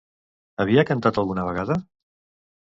Havia cantat alguna vegada?